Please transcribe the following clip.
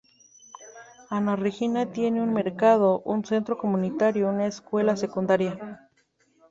Anna Regina tiene un mercado, un centro comunitario y una escuela secundaria.